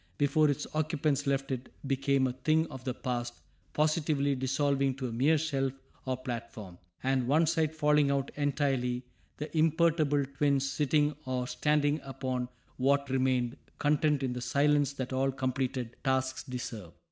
Before its occupants left it became a thing of the past, positively dissolving to a mere shelf or platform, and one side falling out entirely, the imperturbable twins sitting or standing upon what remained, content in the silence that all completed tasks deserve.